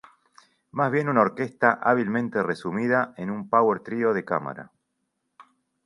Más bien una orquesta hábilmente resumida en un "power trio" de cámara.